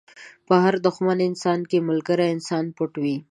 په هر دښمن انسان کې ملګری انسان پټ وي.